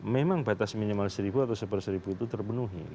memang batas minimal seribu atau seberseribu itu terpenuhi